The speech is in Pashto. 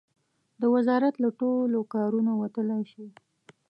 د وزارت له ټولو کارونو وتلای شي.